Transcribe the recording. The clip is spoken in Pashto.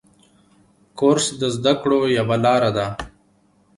کورس د زده کړو یوه لاره ده.